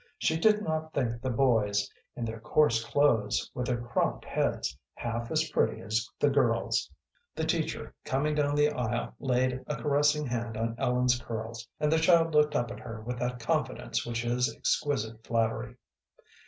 She did not think the boys, in their coarse clothes, with their cropped heads, half as pretty as the girls. The teacher coming down the aisle laid a caressing hand on Ellen's curls, and the child looked up at her with that confidence which is exquisite flattery.